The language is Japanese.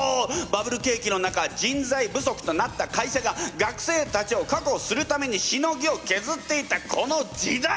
バブル景気の中人材不足となった会社が学生たちをかくほするためにしのぎをけずっていたこの時代！